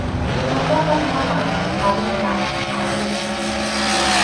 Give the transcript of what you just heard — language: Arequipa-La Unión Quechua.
Imatapas manam huqariyta atiychu.